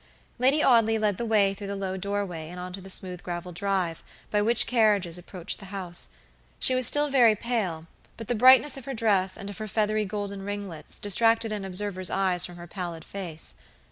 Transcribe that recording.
Lady Audley led the way through the low doorway and on to the smooth gravel drive, by which carriages approached the house. She was still very pale, but the brightness of her dress and of her feathery golden ringlets, distracted an observer's eyes from her pallid face.